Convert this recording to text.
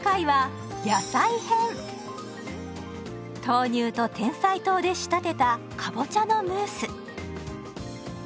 豆乳とてんさい糖で仕立てたかぼちゃのムース。